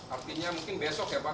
artinya mungkin besok ya pak